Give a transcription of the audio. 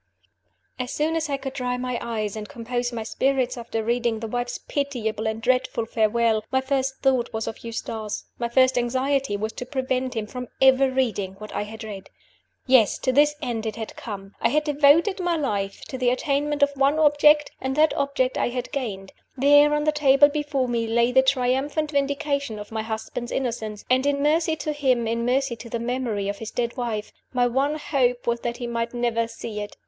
As soon as I could dry my eyes and compose my spirits after reading the wife's pitiable and dreadful farewell, my first thought was of Eustace my first anxiety was to prevent him from ever reading what I had read. Yes! to this end it had come. I had devoted my life to the attainment of one object; and that object I had gained. There, on the table before me, lay the triumphant vindication of my husband's innocence; and, in mercy to him, in mercy to the memory of his dead wife, my one hope was that he might never see it!